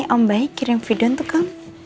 om baik kirim video untuk kamu